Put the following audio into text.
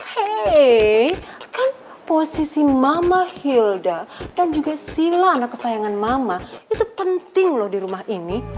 hey kan posisi mama hilda dan juga sila anak kesayangan mama itu penting loh di rumah ini